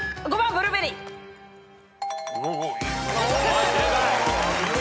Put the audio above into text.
はい正解。